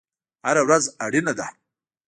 هره ورځ اړینه ده